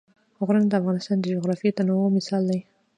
غرونه د افغانستان د جغرافیوي تنوع مثال دی.